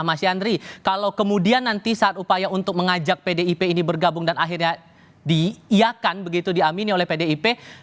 mas yandri kalau kemudian nanti saat upaya untuk mengajak pdip ini bergabung dan akhirnya diiakan begitu diamini oleh pdip